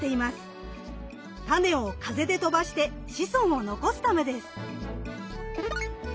タネを風で飛ばして子孫を残すためです。